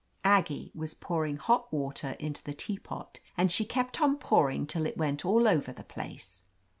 Aggie was pouring hot water into the teapot, and she kept on pouring till it went all over the place.